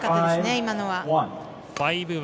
今のは。